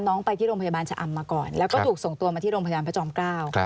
น้องไปที่โรงพยาบาลชะอำมาก่อนแล้วก็ถูกส่งตัวมาที่โรงพยาบาลพระจอมเกล้า